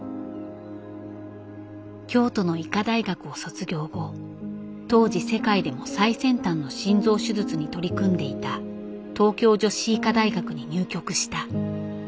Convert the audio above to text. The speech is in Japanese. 京都の医科大学を卒業後当時世界でも最先端の心臓手術に取り組んでいた東京女子医科大学に入局した。